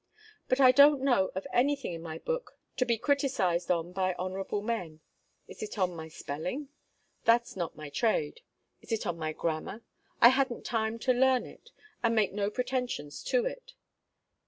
But I don't know of any thing in my book to be criticised on by honourable men. Is it on my spelling? that's not my trade. Is it on my grammar? I hadn't time to learn it, and make no pretensions to it.